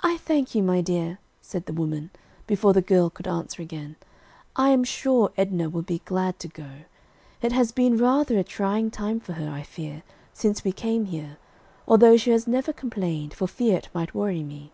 "I thank you, my dear," said the woman, before the girl could answer again. "I am sure Edna will be glad to go. It has been rather a trying time for her, I fear, since we came here, although she has never complained, for fear it might worry me.